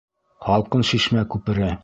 Һалҡын шишмә күпере.